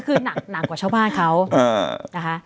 ก็คือหนังหนังกว่าชาวบ้านเขาเออนะคะ